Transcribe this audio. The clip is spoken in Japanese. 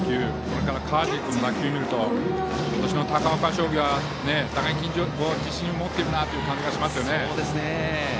それから川尻君の打球を見ると高岡商業は打撃に自信を持っているなという感じがしますよね。